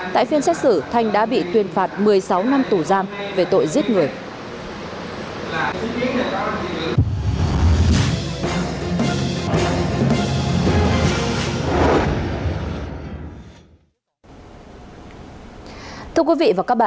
tại phiên xét xử thanh đã bị tuyên phạt một mươi sáu năm tù giam về tội giết người